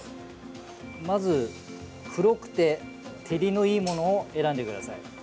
まず、黒くて照りのいいものを選んでください。